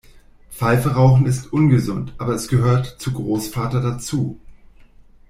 Pfeife rauchen ist ungesund, aber es gehört zu Großvater dazu.